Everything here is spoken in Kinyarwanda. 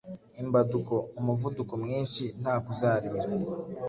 Imbaduko: umuvuduko mwinshi nta kuzarira